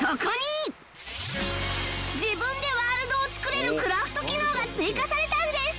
自分でワールドを作れるクラフト機能が追加されたんです